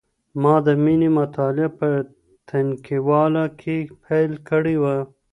ما د مینې مطالعه په تنکیواله کي پیل کړې وه.